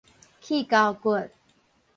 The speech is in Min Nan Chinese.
頰溝骨